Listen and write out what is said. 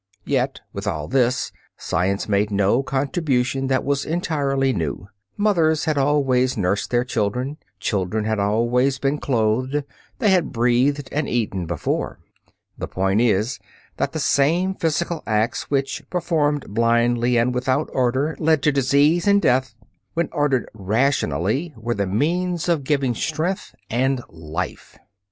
Yet with all this, science made no contribution that was entirely new. Mothers had always nursed their children, children had always been clothed, they had breathed and eaten before. The point is, that the same physical acts which, performed blindly and without order, led to disease and death, when ordered rationally were the means of giving strength and life.